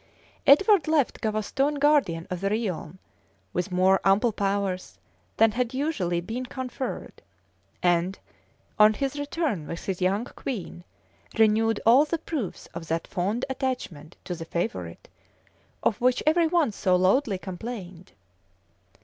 [] Edward left Gavaston guardian of the realm,[] with more ample powers than had usually been conferred;[] and, on his return with his young queen, renewed all the proofs of that fond attachment to the favorite of which every one so loudly complained.